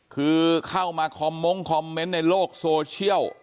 คือเข้ามาคอมมงค์คอมเมนต์ในโลกโซเชียล